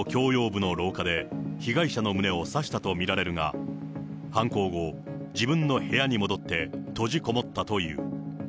２階の共用部の廊下で、被害者の胸を刺したと見られるが、犯行後、自分の部屋に戻って閉じこもったという。